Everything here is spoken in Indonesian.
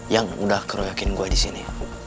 yang udah keroyakin gue disini